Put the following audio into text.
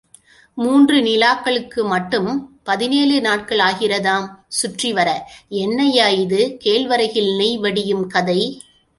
மூன்று நிலாக்களுக்கு மட்டும் பதினேழு நாட்களாகின்றதாம் சுற்றிவர என்னய்யா இது கேழ்வரகில் நெய் வடியும் கதை!